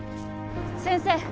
先生！